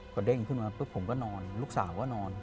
พอเด้งขึ้นมาปุ๊บผมก็นอนลูกสาวก็นอน